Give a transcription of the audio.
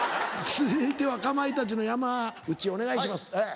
続いてはかまいたちの山内お願いします。